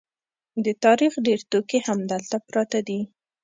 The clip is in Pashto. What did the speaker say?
د تاریخ ډېر توکي همدلته پراته دي.